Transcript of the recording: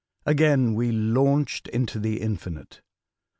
Again we launched into the infinite.